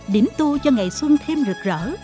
điểm tu cho ngày xuân thêm rực rỡ